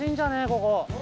ここ。